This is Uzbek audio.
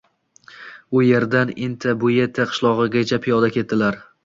U yerdan Intabuyeti qishlogʻigacha piyoda ketdilar.